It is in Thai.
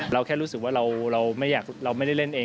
แค่รู้สึกว่าเราไม่ได้เล่นเอง